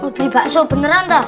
mau beli bakso beneran tau